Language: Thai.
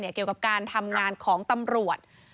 เกี่ยวกับการทำงานของตำรวจ